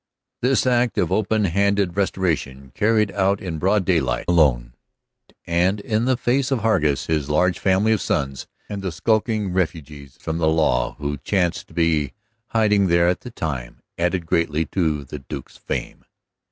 This act of open handed restoration, carried out in broad daylight alone, and in the face of Hargus, his large family of sons, and the skulking refugees from the law who chanced to be hiding there at the time, added greatly to the Duke's fame.